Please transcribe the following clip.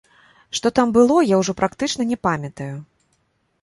Што там было, я ўжо практычна не памятаю.